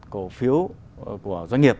cổ phiếu của doanh nghiệp